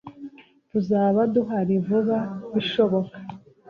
Tuzaba duhari vuba bishoboka.